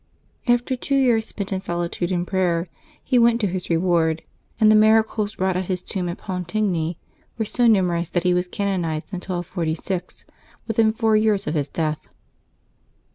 After two years spent in solitude and prayer, he went to his reward, and the mira cles wrought at his tomb at Pontigny were so numerous that he was canonized in 1246, within four years of his death.